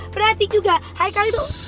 berarti juga haikal itu